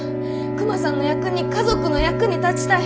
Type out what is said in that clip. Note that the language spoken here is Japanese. クマさんの役に家族の役に立ちたい。